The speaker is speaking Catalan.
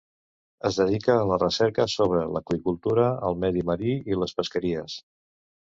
Es dedica a la recerca sobre l'aqüicultura, el medi marí i les pesqueries.